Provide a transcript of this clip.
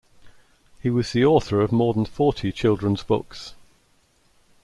He was the author of more than forty children's books.